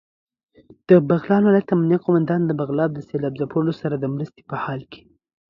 دبغلان ولايت امنيه قوماندان دبغلان د سېلاب ځپلو خلکو سره دمرستې په حال کې